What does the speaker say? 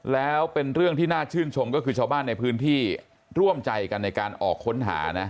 แล้วเป็นเรื่องที่น่าชื่นชมก็คือชาวบ้านในพื้นที่ร่วมใจกันในการออกค้นหานะ